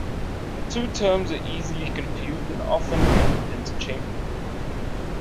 The two terms are easily confused and often used interchangeably.